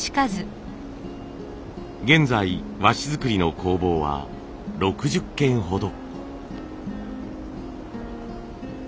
現在和紙作りの工房は６０軒ほど。